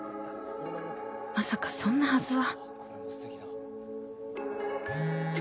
まさかそんなはずは